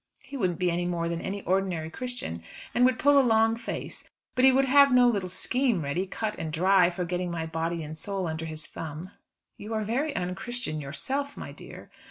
He wouldn't be any more than an ordinary Christian, and would pull a long face; but he would have no little scheme ready, cut and dry, for getting my body and soul under his thumb." "You are very unchristian yourself, my dear."